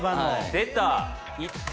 出た！